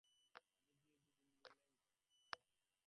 আমি গিয়ে দেখি ও মাটিতে পড়ে আছে।